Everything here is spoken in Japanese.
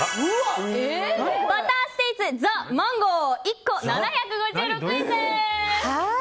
バターステイツＴＨＥマンゴー、１個７５６円。